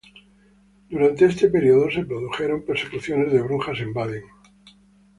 Durante este periodo se produjeron persecuciones de brujas en Baden.